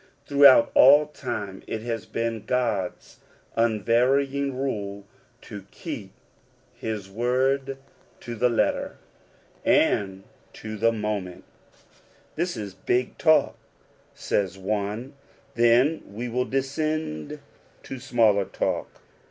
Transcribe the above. Throughout all time ir has been God's unvarying rule to keep his word to the letter, and to the moment. The Rule of God's Giving, yj " This is big talk," says one ; then we will iscend to smaller talk.